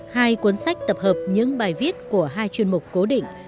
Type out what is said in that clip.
hai cuốn sách tập hợp những bài viết của hai chuyên mục cố định